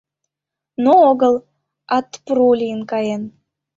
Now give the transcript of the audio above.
— Но огыл, а тпру лийын каен.